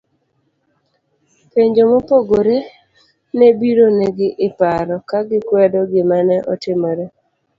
penjo mopogore ne biro negi iparo, kagikwedo gimane otimore